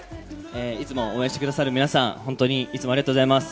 いつも応援してくださる皆さん、いつもありがとうございます。